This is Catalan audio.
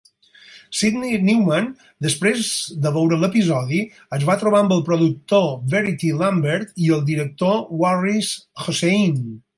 Sydney Newman, després de veure l'episodi, es va trobar amb el productor Verity Lambert i el director Waris Hussein.